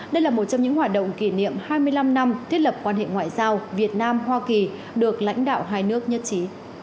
đây là một trong những hoạt động kỷ niệm hai mươi năm năm thiết lập quan hệ ngoại giao việt nam hoa kỳ được lãnh đạo hai nước nhất trí